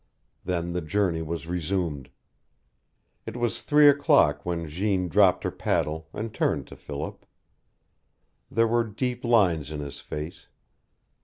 Then the journey was resumed. It was three o'clock when Jeanne dropped her paddle and turned to Philip. There were deep lines in his face.